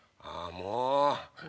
もう！